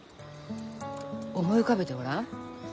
思い浮かべてごらん。